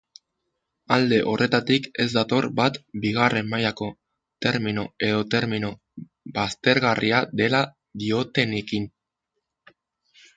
Alde horretatik ez dator bat bigarren mailako termino edo termino baztergarria dela diotenekin.